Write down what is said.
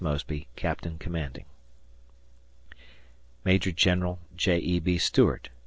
Mosby, Captain Commanding. Maj. Gen. J. E. B. Stuart.